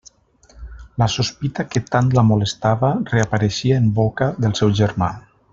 La sospita que tant la molestava reapareixia en boca del seu germà.